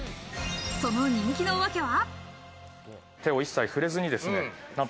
その人気の訳は。